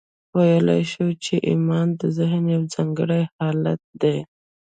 ویلای شو چې ایمان د ذهن یو ځانګړی حالت دی